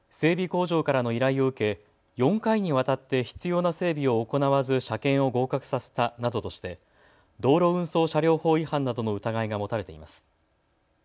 工場からの依頼を受け４回にわたって必要な整備を行わず車検を合格させたなどとして道路運送車両法違反などの疑いが持たれています。